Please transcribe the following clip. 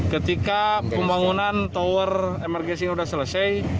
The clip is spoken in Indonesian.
ketika pembangunan tower emergensi sudah selesai